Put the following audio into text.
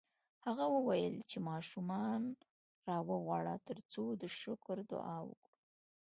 هغه وویل چې ماشومان راوغواړه ترڅو د شکر دعا وکړو